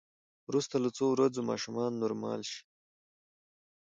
وروسته له څو ورځو ماشومان نورمال شي.